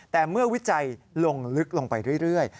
แต่เมื่อวิจัยลงลึกลงไปเรื่อย